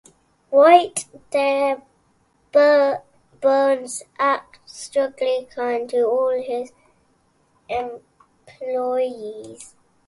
While there, Burns acts strangely kind to all of his employees.